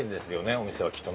お店はきっと。